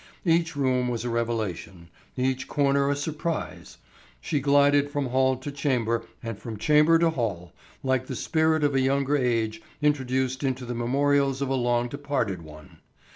Each room was a revelation, each corner a surprise. She glided from hall to chamber and from chamber to hall like the spirit of a younger age introduced into the memorials of a long departed one.